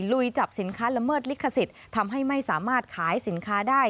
ลุยจับสินค้าละเมิดลิขสิทธิ์ทำให้ไม่สามารถขายสินค้าได้